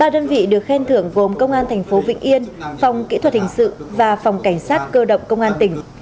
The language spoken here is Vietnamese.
ba đơn vị được khen thưởng gồm công an tp vn phòng kỹ thuật hình sự và phòng cảnh sát cơ động công an tỉnh